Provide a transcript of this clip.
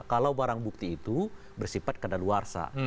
kalau barang bukti itu bersifat keadaan luar sa